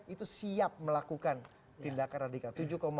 itu siap melakukan tindakan radikal